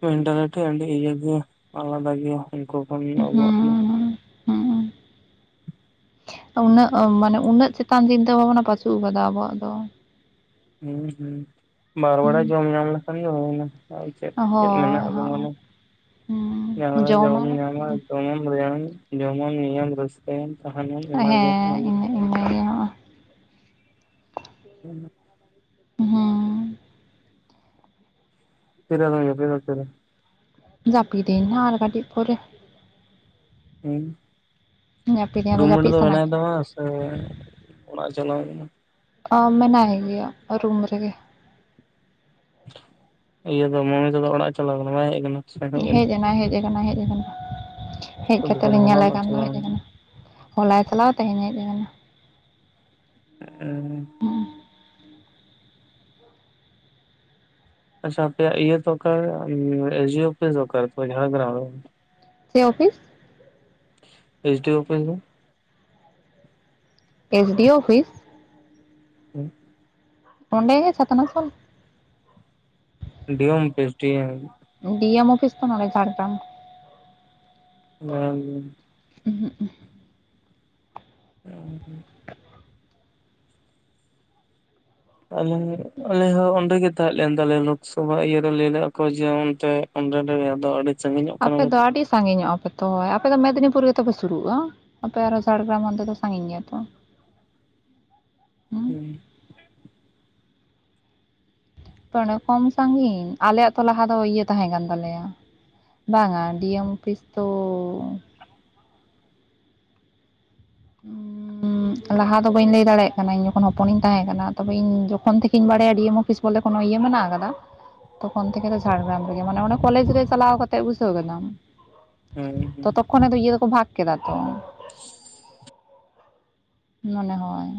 ᱢᱮᱱᱴᱟᱞᱤᱴᱤ ᱟᱹᱰᱤ ᱤᱭᱟᱹ ᱜᱮᱭᱟ ᱟᱞᱟᱫ ᱜᱮᱭᱟ ᱩᱱᱠᱩ ᱠᱷᱚᱱ ᱟᱵᱚᱣᱟᱜ ᱫᱚ᱾ ᱦᱩᱸ ᱦᱩᱸ [inaudible] ᱩᱱᱟᱹᱜ ᱢᱟᱱᱮ ᱩᱱᱟᱹᱜ ᱪᱮᱛᱟᱱ ᱪᱤᱱᱛᱟᱹ ᱵᱷᱟᱵᱱᱟ ᱯᱟᱪᱩᱜ ᱟᱠᱟᱫᱟ ᱟᱵᱚᱣᱟᱜ ᱫᱚ᱾ ᱦᱩᱸ ᱦᱩᱸ ᱵᱟᱨ ᱵᱟᱲᱟ ᱡᱚᱢ ᱧᱟᱢ ᱞᱮᱠᱷᱟᱱ ᱜᱮ ᱦᱩᱭᱱᱟ᱾ ᱟᱨ ᱪᱮᱫ ᱪᱮᱫ ᱢᱮᱱᱟᱜ ᱦᱳᱭ ᱟ ᱟᱫᱚ ᱢᱟ ᱦᱳᱭ ᱞᱟᱹᱭ ᱢᱮ᱾ ᱡᱟᱦᱟᱞᱮᱠᱟ ᱡᱚᱢᱮᱢ ᱡᱚᱢᱟᱜ ᱧᱟᱢᱟ [unintelligible] ᱡᱚᱢᱟᱢ, ᱧᱩᱭᱟᱢ, ᱨᱟᱹᱥᱠᱟᱹᱭᱟᱢ, ᱛᱟᱦᱮᱱᱟᱢ ᱚᱱᱟᱜᱮ ᱦᱮᱸ [unintelligible] ᱤᱱᱟᱹ ᱤᱱᱟᱹᱜᱮ ᱦᱚᱸᱜᱼᱚᱭ [unintelligible] ᱦᱩᱸ᱾ ᱛᱤᱨᱮ ᱟᱫᱚᱢ ᱡᱟᱯᱤᱫᱟ, ᱛᱤᱨᱮ? ᱡᱟᱯᱤᱫᱤᱧ ᱱᱟᱦᱟᱜ ᱟᱨ ᱠᱟᱹᱴᱤᱡ ᱯᱚᱨᱮ᱾ ᱦᱩᱸ᱾ ᱡᱟᱹᱯᱤᱫᱟᱹᱧ ᱨᱩᱢ ᱟᱫᱚ ᱢᱮᱴ ᱡᱟᱹᱯᱤᱫ ᱫᱚ ᱥᱟᱱᱟ ᱢᱮᱱᱟᱭ ᱠᱮᱫ ᱛᱟᱢᱟᱥ ᱥᱮ ᱚᱲᱟᱜ-ᱮ ᱪᱟᱞᱟᱣ ᱠᱟᱱᱟ? ᱚ ᱢᱮᱱᱟᱭ ᱜᱮᱭᱟ ᱨᱩᱢ ᱨᱮᱜᱮ᱾ ᱤᱭᱟᱹ ᱫᱚ ᱢᱚᱱᱤᱠᱟ ᱫᱚ ᱚᱲᱟᱜ-ᱮ ᱪᱟᱞᱟᱣ ᱠᱟᱱᱟ, ᱵᱟᱭ ᱦᱮᱡ ᱠᱟᱱᱟ? ᱥᱮ ᱮᱱ ᱦᱮᱡ ᱮᱱᱟᱭ, ᱦᱮᱡ ᱠᱟᱱᱟᱭ, ᱦᱮᱡ ᱠᱟᱱᱟ᱾ ᱦᱮᱡ ᱠᱟᱛᱮ ᱫᱚᱠᱟᱱ ᱞᱮ ᱧᱮᱞᱮ ᱦᱚᱞᱟᱱᱚᱜ ᱠᱟᱱ ᱫᱚ ᱪᱟᱞᱟᱣ ᱦᱮᱡ ᱠᱟᱱᱟ᱾ ᱦᱚᱞᱟᱭ ᱛᱟᱞᱟᱣ ᱛᱮᱦᱮᱧᱮ ᱦᱮᱡ ᱟᱠᱟᱱᱟ᱾ ᱦᱮᱸᱜ ᱚ᱾ [inaudible] ᱟᱪᱪᱷᱟ ᱟᱯᱮᱭᱟᱜ ᱤᱭᱟᱹ ᱫᱚ ᱚᱠᱟ ᱩᱸ ᱮᱥ ᱮᱡᱤᱭᱳ ᱚᱯᱷᱤᱥ ᱫᱚ ᱚᱠᱟᱨᱮ ᱛᱚᱵᱮ ᱡᱷᱟᱲᱮᱜᱽᱜᱽᱨᱟᱢ ᱨᱮ ᱵᱟᱝ? ᱪᱮᱫ office? S D O office ᱫᱚ? S D O office? ᱦᱩᱸ᱾ ᱱᱚᱸᱰᱮ ᱜᱮ ᱪᱷᱟᱛᱱᱟᱥᱳᱞ᱾ ᱰᱤᱭᱚᱢ office D M. D M office ᱫᱚ ᱱᱚᱸᱰᱮ ᱡᱷᱟᱲᱜᱨᱟᱢ᱾ [unintelligible] ᱩᱸ ᱦᱩᱜ-ᱩᱸ᱾ [unintelligible] ᱟᱹᱞᱤᱝ ᱟᱞᱮ ᱦᱚᱸ ᱚᱸᱰᱮᱜᱮ ᱛᱟᱦᱮᱸᱫ ᱞᱮᱱ ᱛᱟᱞᱮᱭᱟ ᱞᱳᱠᱥᱚᱵᱷᱟ ᱤᱭᱟᱹ ᱨᱮ ᱞᱟᱹᱭ [inaudible] [unintelligible] ᱟᱫᱚ ᱟᱹᱰᱤ ᱥᱟᱺᱜᱤᱧᱚᱜ ᱠᱟᱱᱟ ᱟᱯᱮ ᱫᱚ ᱟᱰᱤ ᱥᱟᱸᱜᱤᱧᱚᱜᱼᱟ ᱯᱮ ᱛᱚ ᱟᱯᱮᱫᱚ ᱢᱮᱫᱽᱱᱤᱯᱩᱨ ᱜᱮᱛᱚᱯᱮ ᱥᱩᱨᱩᱜᱼᱟ, ᱟᱯᱮ ᱟᱨᱦᱚᱸ ᱡᱷᱟᱲᱜᱮᱨᱟᱢ ᱚᱱᱛᱮ ᱫᱚ ᱥᱟᱸᱜᱤᱧ ᱜᱮᱭᱟ ᱛᱚ ᱾ ᱦᱩᱸ ᱾ ᱛᱚ ᱚᱱᱟ ᱠᱚᱢ ᱥᱟᱸᱜᱤᱧ ᱟᱞᱮ ᱟᱛᱩ ᱞᱟᱦᱟ ᱫᱚ ᱤᱭᱟᱹ ᱛᱟᱦᱮᱸ ᱠᱟᱱ ᱛᱟᱞᱮᱭᱟ ᱵᱟᱝᱟ ᱰᱤ ᱮᱢ ᱚᱯᱷᱤᱥ ᱛᱚᱻ [unintelligible] ᱩᱸ ᱞᱟᱦᱟ ᱫᱚ ᱵᱟᱹᱧ ᱞᱟᱹᱭ ᱫᱟᱲᱮᱭᱟᱜ ᱠᱟᱱᱟ ᱤᱧ ᱡᱚᱠᱷᱚᱱ ᱦᱚᱯᱚᱱᱤᱧ ᱛᱟᱦᱮᱸ ᱠᱟᱱᱟ ᱛᱚᱵᱮ ᱤᱧ ᱡᱚᱠᱷᱚᱱ ᱛᱷᱮᱠᱮᱧ ᱵᱟᱲᱟᱭᱟ ᱰᱤ ᱮᱢ ᱚᱯᱷᱤᱥ ᱚᱱᱰᱮ ᱠᱳᱱᱳ ᱤᱭᱟᱹ ᱢᱮᱱᱟᱜ ᱟᱠᱟᱫᱟ ᱛᱚᱠᱷᱚᱱ ᱛᱷᱮᱠᱮ ᱛᱚ ᱡᱷᱟᱲᱜᱮᱨᱟᱢ ᱨᱮᱜᱮ ᱢᱟᱱᱮ ᱚᱱᱮ ᱠᱚᱞᱮᱡ ᱨᱮ ᱪᱟᱞᱟᱣ ᱠᱟᱛᱮᱜ ᱵᱩᱥᱟᱹᱣ ᱠᱮᱫᱟᱢ ᱦᱮᱸ ᱛᱚᱛᱚ ᱠᱷᱚᱱᱮ ᱫᱚ ᱤᱭᱟᱹ ᱠᱚ ᱵᱷᱟᱜᱽ ᱠᱮᱫᱟ ᱛᱚ ᱾ ᱢᱚᱱᱮ ᱦᱚᱭ ᱾